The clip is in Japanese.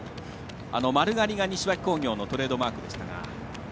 丸刈りが西脇工業のトレードマークでしたが。